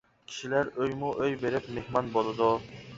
كىشىلەر ئۆيمۇ ئۆي بېرىپ مېھمان بولىدۇ.